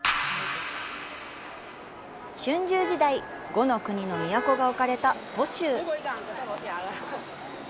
春秋時代、呉の国の都が置かれた蘇州。